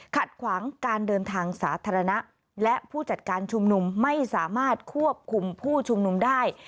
ขัดขวางการเดินทางสาธารณะและผู้จัดการชุมนุมไม่สามารถควบคุมผู้ชุมนุมได้